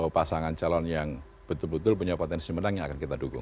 pasangan calon yang betul betul punya potensi menang yang akan kita dukung